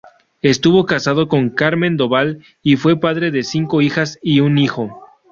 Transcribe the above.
Estuvo casado con Carmen Doval y fue padre de cinco hijas y un hijo.